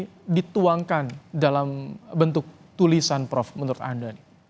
apa yang dituangkan dalam bentuk tulisan prof menurut anda